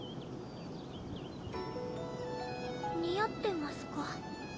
似合ってますか？